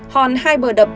hòn hai bờ đập